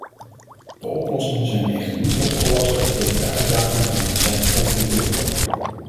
De oplossingen zijn echter niet opgewassen tegen de uitdaging waarmee zij geconfronteerd worden.